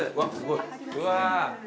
うわ。